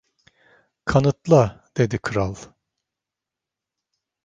‘Kanıtla,’ dedi Kral.